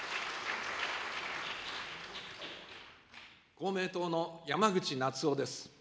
公明党の山口那津男です。